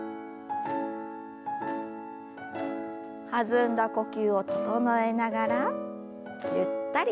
弾んだ呼吸を整えながらゆったりと。